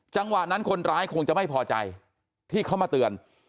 จังหวะนั้นคนร้ายคงจะไม่พอใจที่เขามาเตือน